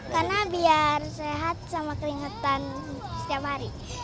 karena biar sehat sama keringatan setiap hari